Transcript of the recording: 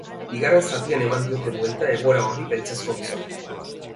Bigarren zatian eman diote buelta egoera horri beltzezko gizonek.